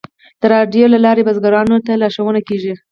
د راډیو له لارې بزګرانو ته لارښوونه کیږي.